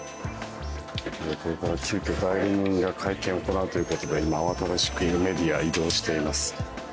これから急きょ代理人が会見を行うということで今、慌ただしくメディア、移動しています。